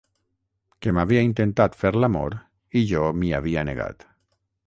Que m'havia intentat fer l'amor i jo m'hi havia negat.